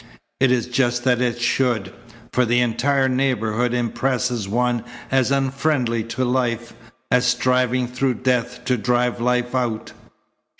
It is just that it should, for the entire neighbourhood impresses one as unfriendly to life, as striving through death to drive life out."